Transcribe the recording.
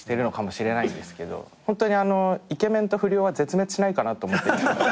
ホントにイケメンと不良は絶滅しないかなと思って。